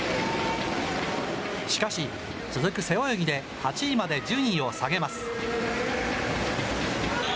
しかし、続く背泳ぎで８位まで順位を下げます。